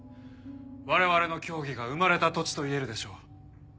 我々の教義が生まれた土地と言えるでしょう。